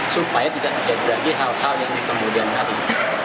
supaya tidak terjadi hal hal yang dikemudian hari